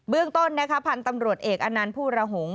เบื้องต้นพันตำรวจเอกอนันท์ภูรหงศ์